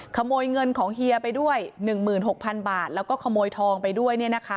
ขโมยเงินของเฮียไปด้วย๑๖๐๐๐บาทแล้วก็ขโมยทองไปด้วย